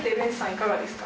いかがですか？